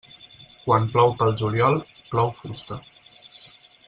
Quan plou pel juliol, plou fusta.